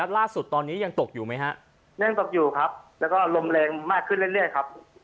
ล่าสุดตอนนี้ยังตกอยู่ไหมฮะยังตกอยู่ครับแล้วก็ลมแรงมากขึ้นเรื่อยครับ